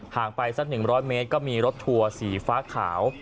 ไปสัก๑๐๐เมตรก็มีรถทัวร์สีฟ้าขาว